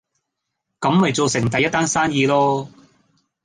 咁咪做成第一單生意囉